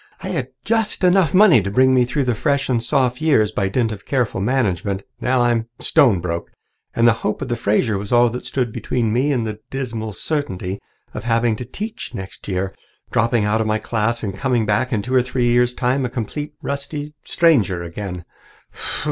"I had just enough money to bring me through the Fresh and Soph years by dint of careful management. Now I'm stone broke, and the hope of the Fraser was all that stood between me and the dismal certainty of having to teach next year, dropping out of my class and coming back in two or three years' time, a complete, rusty stranger again.